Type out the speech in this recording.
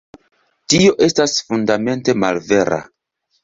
Tio estas fundamente malvera.